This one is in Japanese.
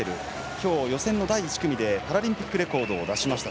きょう、予選の第１組でパラリンピックレコードを出しました。